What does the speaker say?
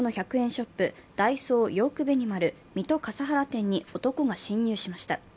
ショップダイソーヨークベニマル水戸笠原店に男が侵入しました。